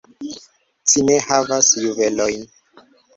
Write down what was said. Ci ne havas juvelojn?